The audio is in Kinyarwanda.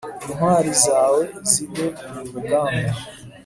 intwari zawe zigwe ku rugamba